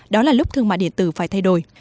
đó là lúc thương mại điện tử phải thay đổi